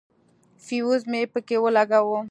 فيوز مې پکښې ولګاوه.